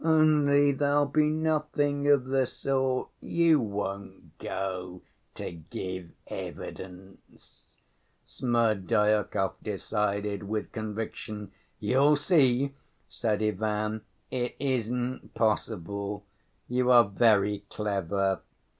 Only there'll be nothing of the sort! You won't go to give evidence," Smerdyakov decided with conviction. "You'll see," said Ivan. "It isn't possible. You are very clever.